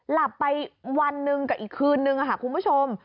หลับไปวันหนึ่งกับอีกคืนนึงค่ะคุณผู้ชม